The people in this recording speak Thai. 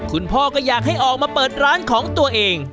คุณพ่อก็อยากให้ออกมาเปิดร้านของตัวเอง